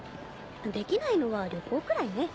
できないのは旅行くらいね。